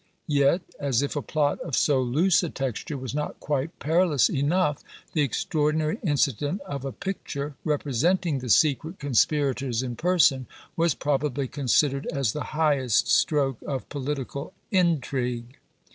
Yet, as if a plot of so loose a texture was not quite perilous enough, the extraordinary incident of a picture, representing the secret conspirators in person, was probably considered as the highest stroke of political intrigue!